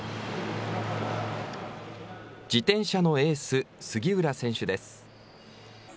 自転車のエース、杉浦選手です。